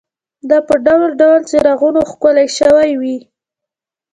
دا په ډول ډول څراغونو ښکلې شوې وې.